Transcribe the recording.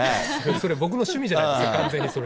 それ僕の趣味じゃないですか、完全にそれ。